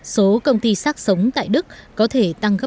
số công ty sát sống tại đức có thể tăng gấp